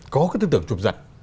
có cái tư tưởng trụm giật